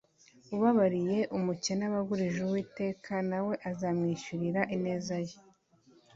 ubabariye umukene aba agurije uwiteka, na we azamwishyurira ineza ye